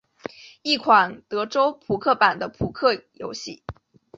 一款德州扑克版的扑克游戏。